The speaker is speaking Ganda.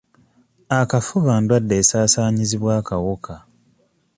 Akafuba ndwadde esaasaanyizibwa akawuka.